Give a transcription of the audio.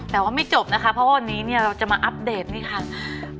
แต่ว่าไม่จบนะคะเพราะวันนี้เนี่ยเราจะมาอัปเดตนี่ค่ะ